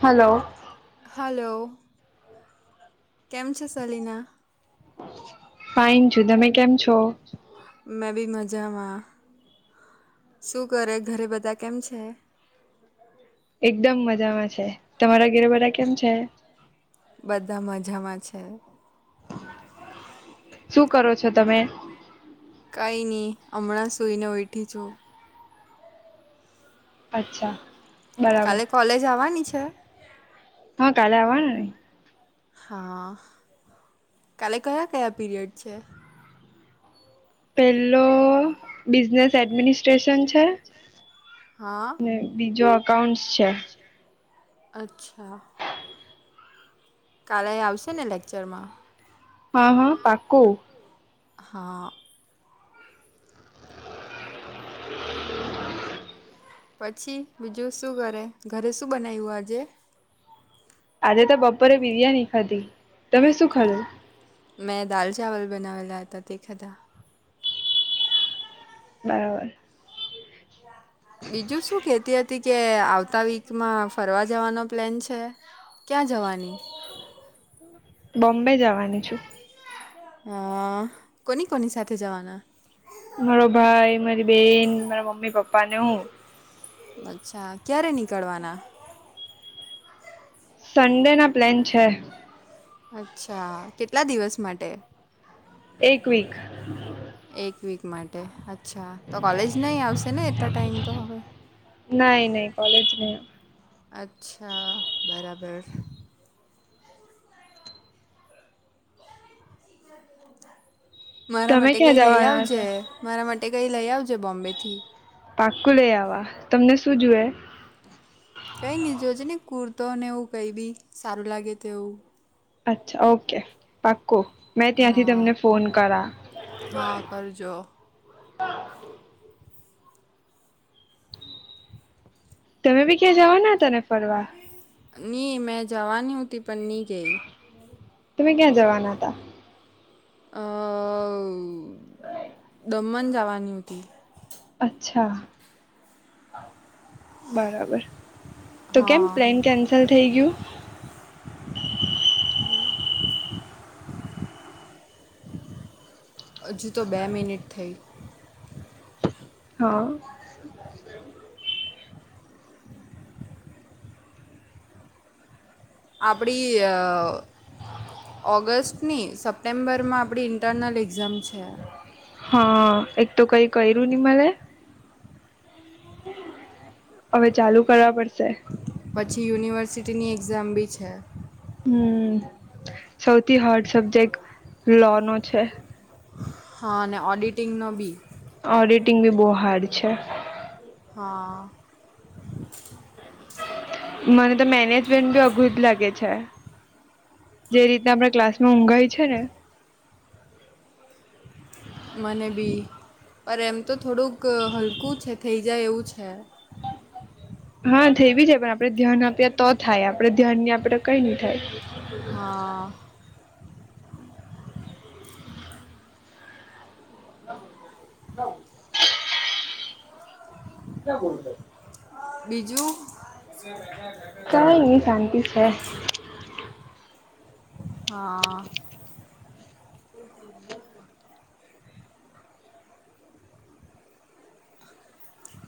Hello. Hello. કેમ છે Selina? Fine છું. તમે કેમ છો? મેં ભી મજામાં. શું કરે? ઘરે બધા કેમ છે? એકદમ મજામાં છે. તમારા ઘરે બધા કેમ છે? બધા મજામાં છે. શું કરો છો તમે? કાંઈ નહીં, હમણાં સૂઈને ઉઇઠી છું. અચ્છા. બરાબર કાલે કોલેજ આવવાની છે? હા કાલે આવવાનું ને. હા. કાલે કયા-કયા પીરિયડ છે? પેલો બિઝનેસ એડમિનિસ્ટ્રેશન છે. હા ને બીજો અકાઉન્ટસ છે. અચ્છા. કાલે આવશે ને લેક્ચરમાં? હા, હા પાકું. હા. પછી બીજું શું કરે? ઘરે શું બનાયવુ આજે? આજે તો બપોરે બિરિયાની ખાધી. તમે શું ખાધું? મેં દાલ ચાવલ બનાવેલા હતા તે ખાધા. બરાબર. બીજું શું કહેતી હત તી કે આવતા વીકમાં ફરવા જવાનો પ્લેન છે. ક્યાં જવાની? બોમ્બે જવાની છું. હા. કોની-કોની સાથે જાવાના? મારો ભાઈ, મારી બેન, મારા મમ્મી-પપ્પા, ને હું. અચ્છા. ક્યારે નીકળવાના? સંન્ડેના પ્લેન છે. અચ્છા. કેટલા દિવસ માટે? એક વીક. [inaudible] એક વીક માટે, અચ્છા. તો કોલેજ નહીં આવશે ને એટલા ટાઈમ તો હવે? નહીં-નહીં, કોલેજ નહીં આવું. અચ્છા, બરાબર. મારા તમે માટે ક્યાં કંઈ લઈ જવાના છો આવજે. મારા માટે કંઈ લઈ આવજે બોમ્બેથી. પાક્કુ લઈ આવા. તમને શું જુવે? કંઈ નહીં, જોજે ને કુર્તો ને એવું કંઈ બી સારું લાગે તો એવું. અચ્છા ઓકે પાક્કુ મેં ત્યાંથી હા તમને ફોન કરા હા કરજો તમે બી ક્યાં જવાના હતા ને ફરવા ની મેં જવાનીહતી પણ ની જય તમે ક્યાં જવાના હતા હમ્મ [unintelligible] દમન જાવાની હતી અચ્છા બરાબર તો કેમ હા પ્લેન કેન્સલ થઈ ગયું [unintelligible] હજુ તો બે મિનિટ થઈ હા અપડી ઓગસ્ટની સપ્ટેમ્બર માં આપણી ઇન્ટરનલ એક્ઝામ છે હા એક તો કઈ કઇરું નહી મને હવે ચાલુ કરવા પડશે પછી યુનિવર્સિટીની એક્ઝામ બી છે હમ્મ સૌથી હાર્ડ સબ્જેક્ટ લો નો છે હા અને ઓડિટિંગનો બી ઓડિટિંગ ભી બહુ હાર્ડ છે હા મને તો મેનેજમેન્ટ બી અઘું જ લાગે છે જે રીતના આપણે ક્લાસમાં ઊઘાઈ છે ને મને બી પર એમ તો થોડુંક હલકું છે થઈ જાય એવું છે હા થઈ બી છે પણ આપડે ધ્યાન આપ્યા તો થાય આપડે ધ્યાન આપડે કઈ નઈ થાય હા [unintelligible] [unintelligible] બીજું કંઈ નઈ શાંતિ છે. હા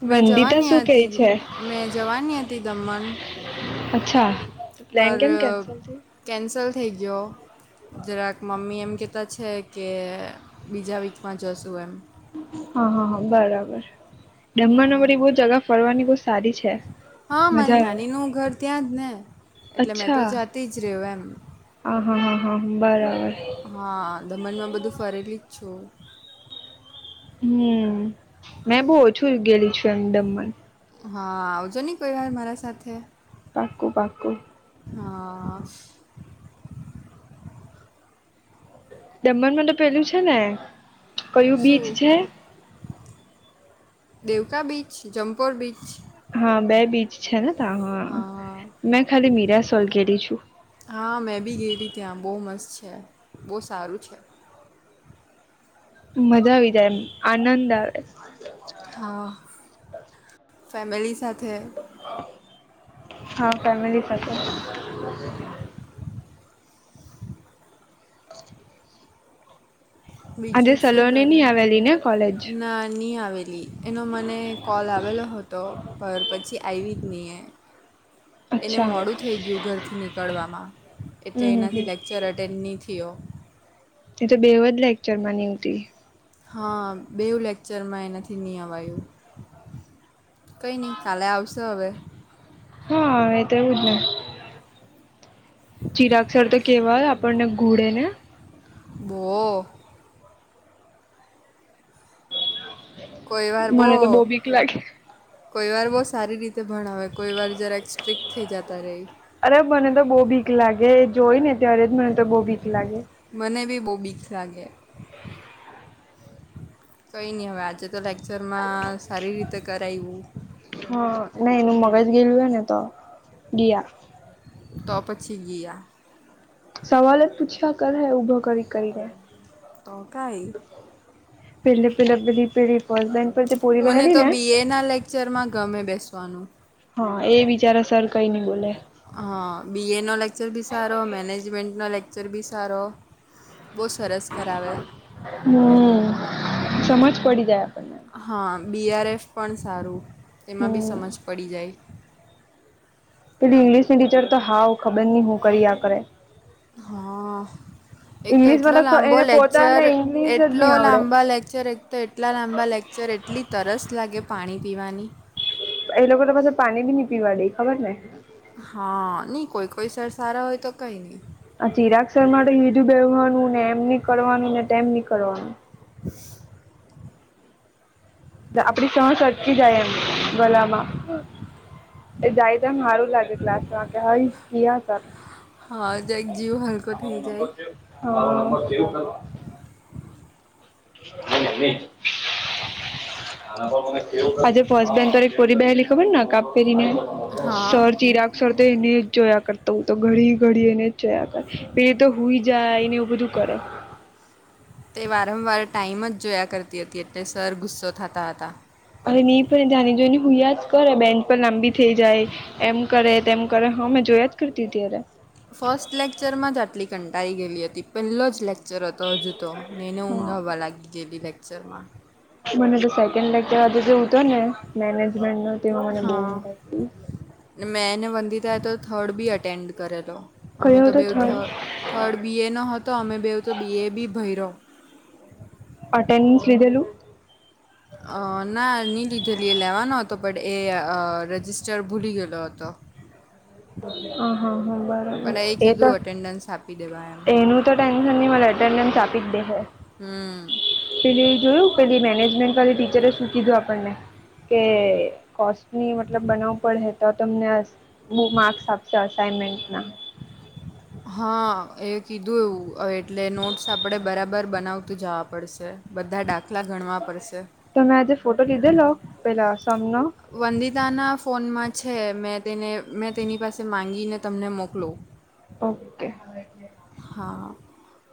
મેં વંદિતા જવાની શું કે હતી છે મેં જવાની હતી દમણ અચ્છા તો પ્લાન પર કેમ કેન્સલ થયો? કેન્સલ થઈ ગયો જરાક મમ્મી એમ કહેતા છે કે બીજા વીકમાં જશું એમ હા હા હા બરાબર દમણ હા બધી બહુ જગા ફરવાની બહુ સારી છે હા મજા મારી આવે નાની નું ઘર ત્યાં જ ને એટલે મેં તો અચ્છા જાતી જ રહ્યું હા હા હા હા બરાબર એમ હા દમણમાં બધું ફરેલી જ છું હમ મેં બહુ ઓછી ગયેલી છું એમ દમણ હા આવજો નહી કોઈ વાર મારા સાથે પાકું પાકું હા દમણ માં તો પેલું છે ને કયું બીચ શું છે? દેવકા બીચ, જમપોર બીચ, હા બે બીચ છે ને ત હા મેં ખાલી મીરાસોલ ગયેલી છું હા મેં બી ગયેલી ત્યાં બહુ મસ્ત છે બહુ સારું છે. મજા આવી જાય એમ આનંદ આવે હા ફેમિલી સાથે હા ફેમિલી સાથે હ. બીજું શું સલોની કરે? નહી આવેલી ને કોલેજ નાની આવેલી. એનો મને કોલ આવેલો હતો પર પછી આવી જ નહીએ. એને અચ્છા મોડું થઈ ગયું ઘરથી નીકળવામાં એટલે હમ હમ એનાથી હમ લેક્ચર અટેન ની થીયો. એ તો બેવજ લેક્ચરમાં નય હોતી. હા બેવુ લેક્ચરમાં એના થી અવાય એવું કઈ નહી કાલે આવશો હવે. હા એ તો એવું જ ને. ચિરાગ સર તો કેવા આપણને ઘૂડે ને. બો. કોઈ વાર બો મને તો બહુ બીક લાગે કોઈ વાર બહુ સારી રીતે ભણાવે કોઈ વાર જરાક સ્ટ્રિકક્ટ થઈ જતા રે. અરે મને તો બહુ બીક લાગે એ જોય ને ત્યારે જ મને તો બહુ બીક લાગે મને બી બહુ બીક લાગે. કંઈ નહીં હવે આજે તો લેક્ચરમાં સારી રીતે કરાયવુ હા નહી નું મગજ ગયેલું હોય ને તો ગયા. તો પછી ગીયા. સવાલ જ પૂછ્યા કરે ઊભા કરી કરીને તો કાઈ. પહેલે પહેલા પીડી પીડી રફ પર પોરી મને બેહેલી તો ને બી એના લેક્ચરમાં ગમે બેસવાનું હા એ બિચારા સર કઈ નઈ બોલે હા બી એ નો લેક્ચર બીએ સારો મેનેજમેન્ટ નો લેક્ચર બી સારો બહુ સરસ કરાવે હમ સમજ પડી જાય આપણે હા બીઆરએફ પણ સારું તેમાં બી હમ સમજ પડી જાય. પેલી ઇંગ્લિશ ની ટીચર તો હાવ ખબર નહિ હું કરીયા કરે. હા. એક તો એટલો ઈંગ્લિશમાં લાંબો એને પોતાને લેક્ચર ઈંગ્લિશ જ એટલો નહી આવડે લાંબા લેક્ચર એક તો એટલા લાંબા લેક્ચર એટલી તરસ લાગે પાણી પીવાની એ લોકો તો પાછા પાણી બી નહી પીવા દે ખબર ને. હા નહી કોઈ કોઈ સર સારા હોય તો કઈ નહી. આ ચિરાગ સર મા તો હીધુ બેહવાનું ને એમ નહિ કરવાનું ને તેમ નહિ કરવાનું [unintelligible] આપડી સાંસ અટકી જાય એમ ગલામાં એ જાય તો એમ હારું એવું લાગે ક્લાસ માં કે હાયશ ગિયા સર. હા જક જીવ હલકો થઈ જાય હા [unintelligible] આજે ફર્સ્ટ બેન્ચ પર એક. છોરી બેહેલી ખબર ને નકાબ પેહરી ને હા સર ચીરાગ સર તો એને જ જોયા કરતો હું તો ઘડી ઘડી એને જ જોયા કર. પે તો હુઈ જાય ને એવું બધું કરે. તે વારંવાર ટાઈમ જ જોયા કરતી હતી એટલે સર ગુસ્સો થતા હતા. અરે નહી પણ જાની જોની હુયા જ કરે બેન્ચ પર લાંબી થઈ જાય. એમ કરે તેમ કરે હોમેં જોયા જ કરતી હતી ત્યારે. ફર્સ્ટ લેક્ચરમાં જ આટલી કંટાળી ગયેલી હતી પહેલો જ લેક્ચર હતો હજુ તો ને એને ઊંઘ હા આવવા લાગી ગયેલી લેક્ચર માં મને તો સેકન્ડ લેકચર આજે જે હતો ને મેનેજમેન્ટ નો તેમા મને બહુ ઊઘ આઈ. મેંને વંદિતા એ તો થર્ડ બી અટેન્ડ કરયો તો અમે કયો તો હતો બેવ થર્ડ થ થર્ડ બી એ નો હતો અમે બેવ તો બી એ બી ભર્યો અટેન્ડન્સ લીધેલું‌. અ ના નહીં લીધેલી એ લેવાનો હતો બટ એ અ રજિસ્ટર ભૂલી ગયેલો હતો. અ હા હા બરાબર પણ એ તો કીધું અટેન્ડન્સ આપી દેવા એમ એનું, તો ટેન્શન નહિ મને અટેન્ડન્સ આપી જ દેશે. હમ્મ. પેલી એ જોયું પેલી મેનેજમેન્ટ વાળી ટીચરે શું કીધું આપણને કે, કોસ્ટ ની મતલબ બનાવું પડે હે તો તમને બુ માર્કસ આપશે અસાઈમેન્ટ ના. હા એ કીધું એવું અ એટલે નોટ્સ આપણે બરાબર બનાવતું જવા પડશે. બધા દાખલા ગણવા પડશે. તમે આજે ફોટો લીધેલો પેલા સમનો, વદિતાના ફોનમાં છે મેં તેને મેં તેની પાસે માગીને તમને મોકલું. ઓકે. હા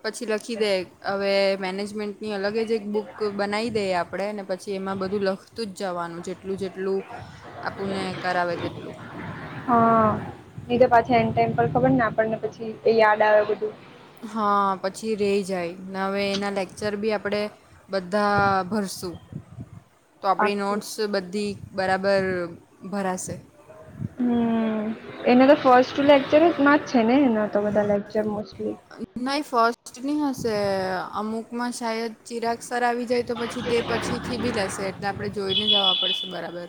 પછી લખી દે હવે મેનેજમેન્ટ, ની અલગ જ એક બુક બનાવી દઈએ આપણે ને પછી એમાં બધું લખતું જ જવાનું જેટલું જેટલું, પેલું આપણે કરાવે તેટલું. હા નહિ તો પાછા એન્ડ ટાઈમ પર ખબર ને આપણને પછી એ યાદ આવે બધું, હા પછી રહી જાય ને હવે એના લેક્ચર બી આપણે, બધા ભરસું. તો આપણી પાક્કું નોટ્સ બધી બરાબર ભરાશે. હમ્મ. એને તો ફર્સ્ટ લેક્ચરમાં જ છે ને એના તો બધા લેક્ચર મોસ્ટલી. નહી ફર્સ્ટ નહિ હશે અમુકમાં શાયદ ચિરાગ સર આવી જાય, તો પછી તે પછીથી બી લેશે એટલે આપણે જોઈને જવા પડશે બરાબર.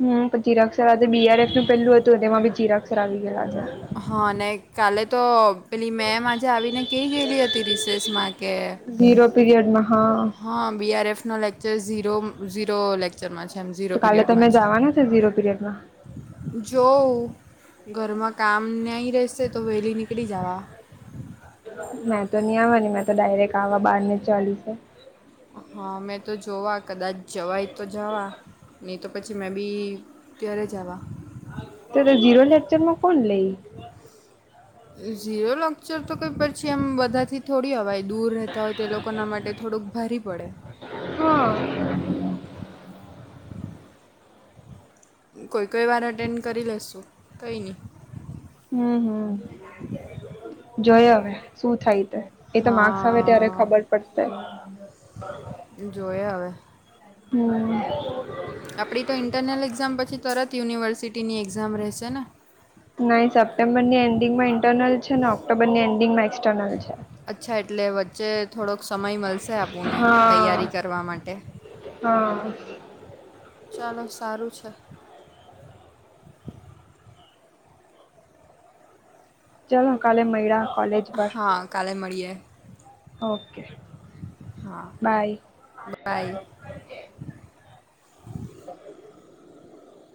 હમ પણ ચિરાગ સર આજે બીઆરએફ નું પેહલું હતું તેમાં બી ચિરાગ સર આવી ગયા આજે. હા અને કાલે તો પેલી મેમ આજે આવીને કહી ગયેલી હતી રિસેસમાં, કે ઝીરો પીરીયડમાં હા. હા બીઆર એફ નો લેક્ચર ઝીરો લેક્ર, ચરમાં છે એમ ઝીરો તો કાલે પીરિયડમાં તમે છે. જવાના ઝીરો પીરિયડમાં જો ઘરમાં કામ નહી રહેશે તો વહેલી નીકળી જવા. મેં તો નહી આવા ની મેં તો ડાયરેક્ટ આવા બાર ને જ ચાલી છે. હા મે તો જોવા કદાચ જવાય તો જવા, નહી તો પછી મેં બી ત્યારે જવા. તો તો જીરો લેકચર માં કોણ લઈ, ઝીરો લેકચર તો કઈ પછી એમ બધાથી થોડી અવાય. દૂર રહેતા હોય તો લોકોના માટે થોડુંક ભારે પડે. હા. કોઈ કોઈ વાર અટેન્ડ કરી લેશું કંઈ નહીં. હમ જોય હવે શું થાય તે. એ તો માર્ક્સ આવે ત્યારે હા ખબર પડશે. જોયા હવે. હમ્મ. આપણી તો ઇન્ટરનલ એક્ઝામ પછી તરત યુનિવર્સિટીની એક્ઝામ રહેશે ને. નઈ સપ્ટેમ્બર ની એન્ડિંગ માં ઇન્ટરનલ છે ને ઓક્ટોબરની એન્ડિંગમાં એક્સટર્નલ છે. અચ્છા એટલે વચ્ચે થોડોક સમય મળશે આપણને તૈયારી હા કરવા માટે. હા. ચાલો સારું છે. ચાલો કાલે મૈડ હા કાલે મળીએ. ઓકે હા બાય બાય અચછ